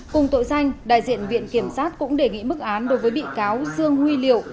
cùng tội danh đại diện viện kiểm sát cũng đề nghị mức án đối với bị cáo dương huy liệu